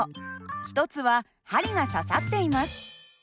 １つは針が刺さっています。